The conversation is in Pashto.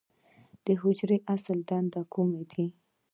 د حجرې اصلي دندې کومې دي؟